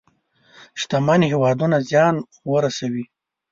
شتمن هېوادونه زيان ورسوي.